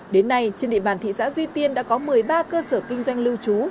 đến nay trên địa bàn thị xã duy tiên đã có một mươi ba cơ sở kinh doanh lưu trú